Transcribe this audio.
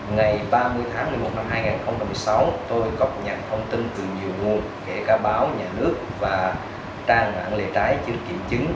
này ba mươi tháng một mươi một năm hai nghìn một mươi sáu tôi góp nhận thông tin từ nhiều nguồn kể cả báo nhà nước và trang mạng lệ trái chứ kiểm chứng